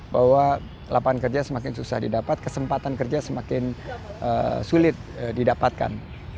bahwa lapangan kerja semakin susah didapat kesempatan kerja semakin sulit didapatkan